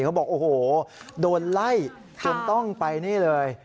เขาบอกโอ้โหโดนไล่จนต้องไปนี่เลย